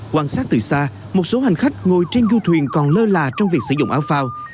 quan sát từ xa một số hành khách ngồi trên du thuyền còn lơ là trong việc sử dụng áo phao